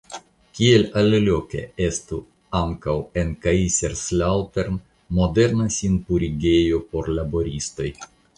Kiel aliloke estu ankaŭ en Kaiserslautern moderna sinpurigejo por laboristoj.